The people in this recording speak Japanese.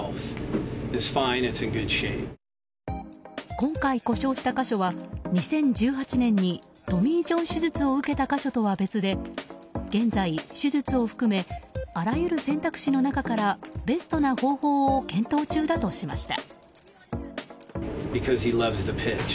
今回故障した箇所は２０１８年にトミー・ジョン手術を受けた箇所とは別で現在、手術を含めあらゆる選択肢の中からベストな方法を検討中だとしました。